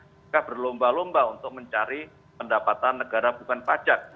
mereka berlomba lomba untuk mencari pendapatan negara bukan pajak